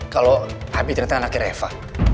kalau abi ternyata anak reva